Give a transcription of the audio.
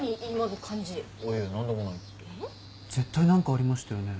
絶対何かありましたよね？